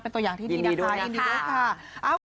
เป็นตัวอย่างที่ดีนะคะยินดีด้วยค่ะ